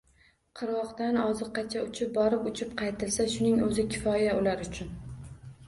Qirg‘oqdan oziqqacha uchib borib uchib qaytilsa — shuning o‘zi kifoya ular uchun.